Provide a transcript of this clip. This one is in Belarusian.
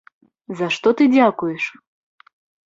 За што ты дзякуеш?